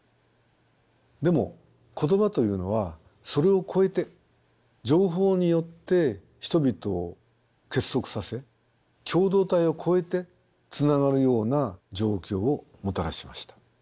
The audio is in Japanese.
でも言葉というのはそれを超えて情報によって人々を結束させ共同体を超えてつながるような状況をもたらしました。